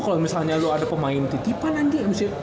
kalo misalnya lu ada pemain titipan anjir